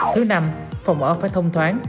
thứ năm phòng ở phải thông thoáng